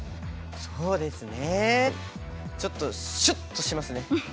そうですねちょっとシュッとしますね。